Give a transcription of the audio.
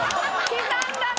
刻んだな。